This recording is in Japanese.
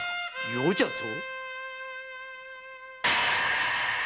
「余」じゃと？